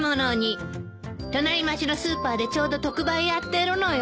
隣町のスーパーでちょうど特売やってるのよ。